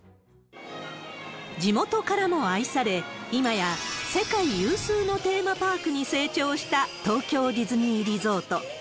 地元からも愛され、今や世界有数のテーマパークに成長した、東京ディズニーリゾート。